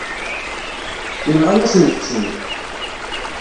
Yenɣa-yasent-ten.